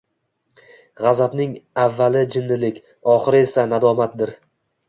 G’azabning avvali jinnilik, oxiri esa, nadomatdir.